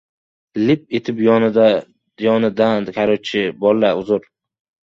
Lip etib yonidan bordim, uloq butidan ushladim.